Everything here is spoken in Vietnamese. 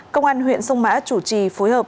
công an huyện sông mã chủ trì phối hợp